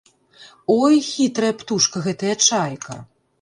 Ой, хітрая птушка гэтая чайка!